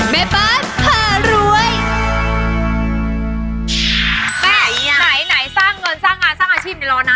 แม่ไหนไหนสร้างเงินสร้างงานสร้างอาชีพอยู่ร้อนา